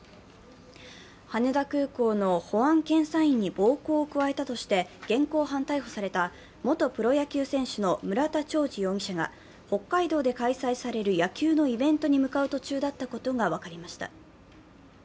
羽田空港の保安検査員に暴行を加えたとして現行犯逮捕された元プロ野球選手の村田兆治容疑者が、北海道で開催される野球のイベントに向かう途中だったことが分かりました。